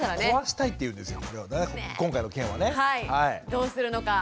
どうするのか。